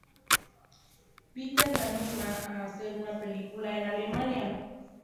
Petter la anima a hacer una película en Alemania.